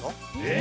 え？